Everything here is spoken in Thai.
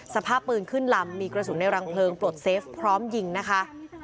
สภาพปืนขึ้นลำมีกระสุนในรังเพลิงปลดเซฟพร้อมยิงนะคะ